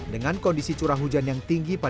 dengan kondisi curah hujan yang tinggi pada